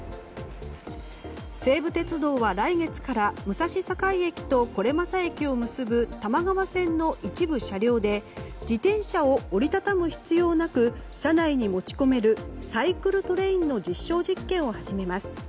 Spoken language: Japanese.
西武電鉄は来月から武蔵境駅と是政駅を結ぶ多摩川線の一部車両で自転車を折りたたむ必要なく車内に持ち込めるサイクルトレインの実証実験を始めます。